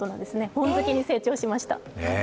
本好きに成長しました。